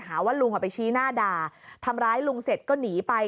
หาว่าลุงไปชี้หน้าด่าทำร้ายลุงเสร็จก็หนีไป